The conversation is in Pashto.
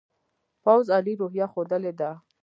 پوځ عالي روحیه ښودلې ده.